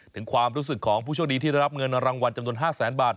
ถึงความรู้สึกของผู้โชคดีที่ได้รับเงินรางวัลจำนวน๕แสนบาท